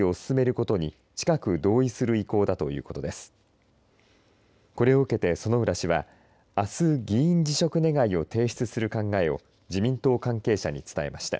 これを受けて薗浦氏はあす議員辞職願を提出する考えを自民党関係者に伝えました。